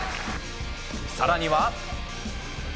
さらには。